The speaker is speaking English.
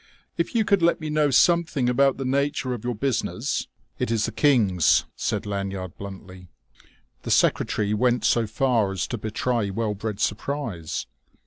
"If you could let me know something about the nature of your business...." "It is the King's," said Lanyard bluntly. The secretary went so far as to betray well bred surprise.